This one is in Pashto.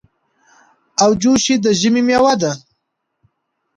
اوجوشي د ژمي مېوه ده.